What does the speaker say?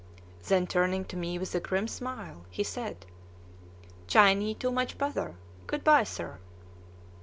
Then turning to me with a grim smile, he said: "Chinee too much bother. Good by, sir!"